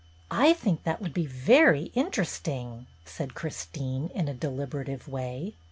''I think that would be very interesting," said Christine, in a deliberative way.